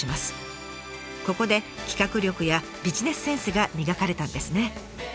ここで企画力やビジネスセンスが磨かれたんですね。